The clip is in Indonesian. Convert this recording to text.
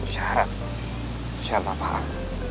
syarat syarat apaan